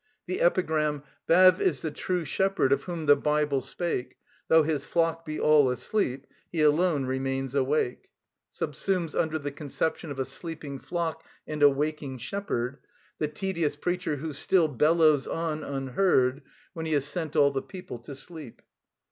The epigramme: "Bav is the true shepherd of whom the Bible spake: Though his flock be all asleep, he alone remains awake:" subsumes, under the conception of a sleeping flock and a waking shepherd, the tedious preacher who still bellows on unheard when he has sent all the people to sleep.